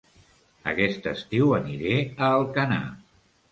Aquest estiu aniré a Alcanar